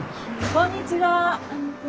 こんにちは。